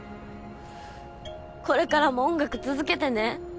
これからも音楽続けてね。